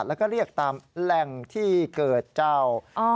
แล้วก็เรียกตามแหล่งที่เกิดเจ้า